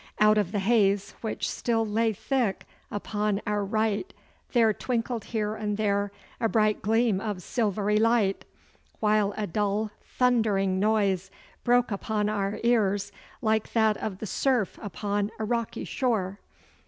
Out of the haze which still lay thick upon our right there twinkled here and there a bright gleam of silvery light, while a dull, thundering noise broke upon our ears like that of the surf upon a rocky shore.